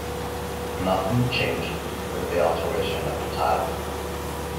Nothing changed with the alteration of the title.